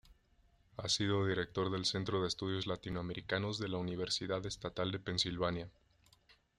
Ha sido director del centro de estudios latinoamericanos de la Universidad Estatal de Pensilvania.